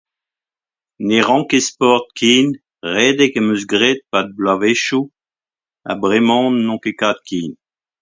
Ne ran ket sport ken, redek em eus graet e-pad bloavezhioù ha bremañ n'on ket kap ken.